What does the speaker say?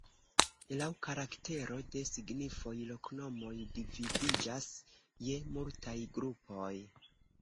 Laŭ karaktero de signifoj, loknomoj dividiĝas je multaj grupoj.